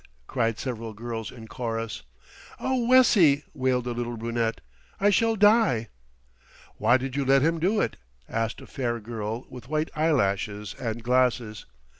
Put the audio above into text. cried several girls in chorus. "Oh! Wessie," wailed the little brunette, "I shall die." "Why did you let him do it?" asked a fair girl with white eyelashes and glasses.